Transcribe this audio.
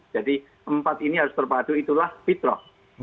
jadi empat ini harus terpadu itulah fitrah